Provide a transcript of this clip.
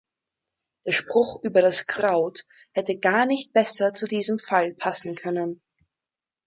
Der Spruch über das Kraut hätte gar nicht besser zu diesem Fall passen können.